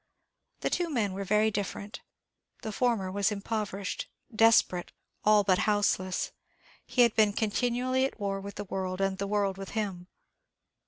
The two men were very different. The former was impoverished, desperate, all but houseless; he had been continually at war with the world, and the world with him.